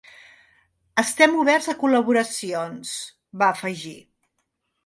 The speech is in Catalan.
“Estem oberts a col·laboracions”, va afegir.